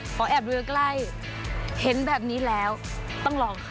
แอบดูใกล้เห็นแบบนี้แล้วต้องลองค่ะ